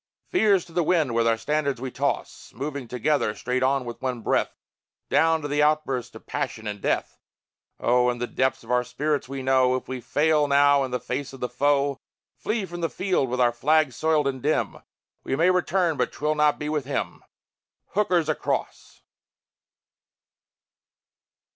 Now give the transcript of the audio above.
Fears to the wind, with our standards, we toss, Moving together, straight on, with one breath, Down to the outburst of passion and death. Oh, in the depths of our spirits we know If we fail now in the face of the foe, Flee from the field with our flag soiled and dim, We may return, but 'twill not be with him! Hooker's across!